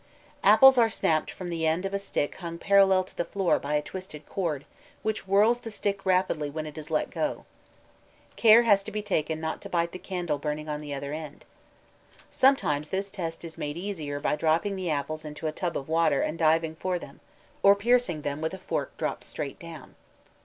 Apples are snapped from the end of a stick hung parallel to the floor by a twisted cord which whirls the stick rapidly when it is let go. Care has to be taken not to bite the candle burning on the other end. Sometimes this test is made easier by dropping the apples into a tub of water and diving for them, or piercing them with a fork dropped straight down.